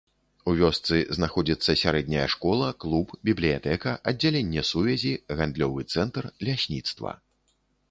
У вёсцы знаходзіцца сярэдняя школа, клуб, бібліятэка, аддзяленне сувязі, гандлёвы цэнтр, лясніцтва.